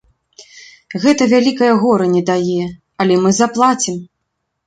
Гэта вялікае гора не дае, але мы заплацім.